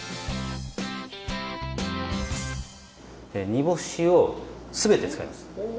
煮干しを全て使います。